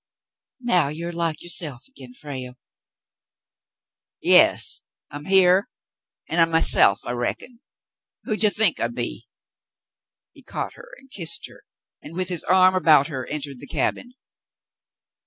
"Now you are like yourself again, Frale." "Yas, I'm here an' I'm myself, I reckon. Who'd ye think I be ?" He caught her and kissed her, and, with his arm about her, entered the cabin.